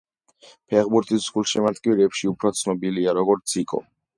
ფეხბურთის გულშემატკივრებში უფრო ცნობილია როგორც ზიკო.